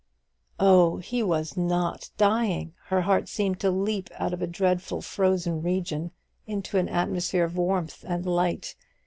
Oh, he was not dying! Her heart seemed to leap out of a dreadful frozen region into an atmosphere of warmth and light.